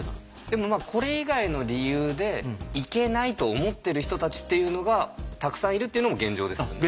でもこれ以外の理由で行けないと思ってる人たちっていうのがたくさんいるっていうのも現状ですよね。